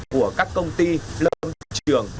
của các công ty lâm trường